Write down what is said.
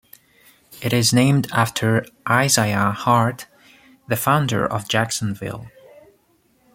It is named after Isaiah Hart, the founder of Jacksonville.